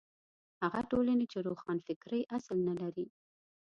هغه ټولنې چې روښانفکرۍ اصل نه لري.